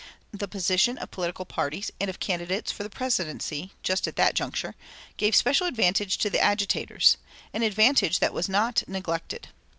The position of political parties and of candidates for the Presidency, just at that juncture, gave special advantage to the agitators an advantage that was not neglected.